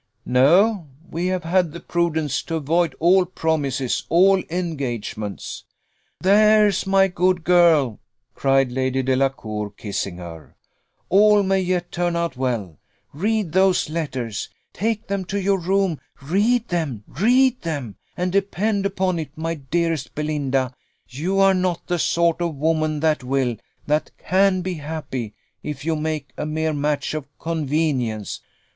"No. We have had the prudence to avoid all promises, all engagements." "There's my good girl!" cried Lady Delacour, kissing her: "all may yet turn out well. Read those letters take them to your room, read them, read them; and depend upon it, my dearest Belinda! you are not the sort of woman that will, that can be happy, if you make a mere match of convenience.